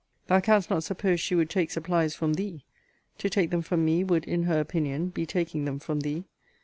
Thou canst not suppose she would take supplies from thee: to take them from me would, in her opinion, be taking them from thee.